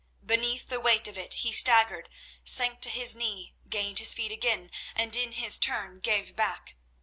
Beneath the weight of it he staggered, sank to his knee, gained his feet again, and in his turn gave back.